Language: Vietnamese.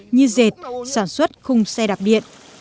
như dệt sản xuất khung xe đạp điện